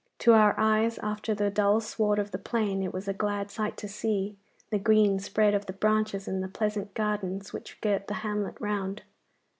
To our eyes, after the dull sward of the plain, it was a glad sight to see the green spread of the branches and the pleasant gardens which girt the hamlet round.